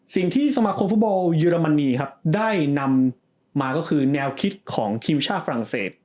สิ่งที่สมาคมฟุตบอลเยอรมนีครับได้นำมาก็คือแนวคิดของทีมชาติฝรั่งเศส